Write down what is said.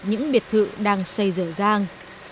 những biệt thự đang xây dở rang